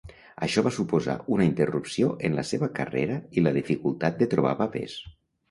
Això va suposar una interrupció en la seva carrera i la dificultat de trobar papers.